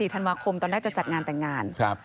ธันวาคมตอนแรกจะจัดงานแต่งงาน